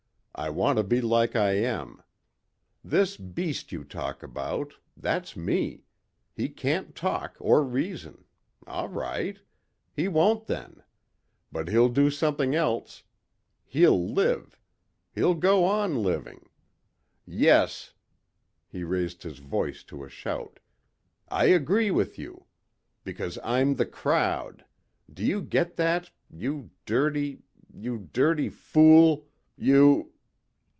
I want to be like I am. This beast you talk about.... That's me. He can't talk or reason.... All right. He won't then. But he'll do something else. He'll live. He'll go on living. Yes," he raised his voice to a shout, "I agree with you. Because I'm the crowd. Do you get that ... you dirty ... you dirty fool ... you...."